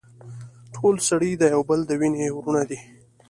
ټول سړي د يو بل د وينې وروڼه دي.